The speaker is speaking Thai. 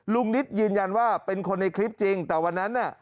นิตยืนยันว่าเป็นคนในคลิปจริงแต่วันนั้นน่ะ